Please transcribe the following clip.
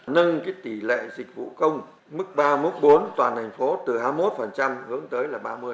nâng tỷ lệ dịch vụ công mức ba bốn toàn thành phố từ hai mươi một hướng tới ba mươi bốn mươi